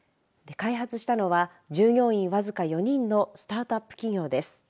開発したのは従業員僅か４人のスタートアップ企業です。